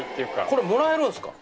これもらえるんですか？